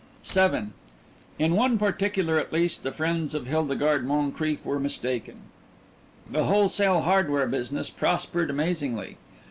VII In one particular, at least, the friends of Hildegarde Moncrief were mistaken. The wholesale hardware business prospered amazingly.